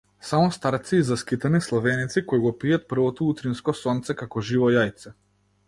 Само старци и заскитани славеници кои го пијат првото утринско сонце како живо јајце.